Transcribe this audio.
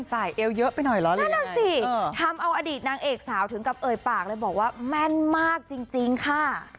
เอวเยอะไปหน่อยเหรอนั่นน่ะสิทำเอาอดีตนางเอกสาวถึงกับเอ่ยปากเลยบอกว่าแม่นมากจริงค่ะ